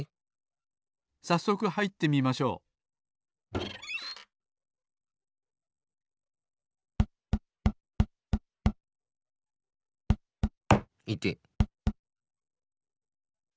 さっそくはいってみましょういてっ！